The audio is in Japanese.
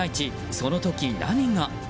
その時、何が？